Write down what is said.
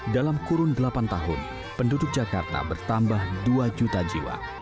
dalam kurun delapan tahun penduduk jakarta bertambah dua juta jiwa